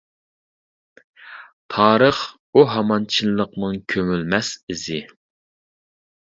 تارىخ ئۇ ھامان چىنلىقنىڭ كۆمۈلمەس ئىزى.